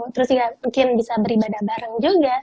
terus ya mungkin bisa beribadah bareng juga